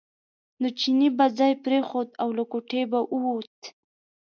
نو چیني به ځای پرېښود او له کوټې به ووت.